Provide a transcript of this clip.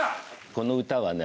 この歌はね